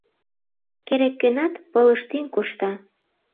Керек-кӧнат пылыштӱҥ коршта.